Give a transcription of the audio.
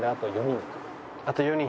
あと４人。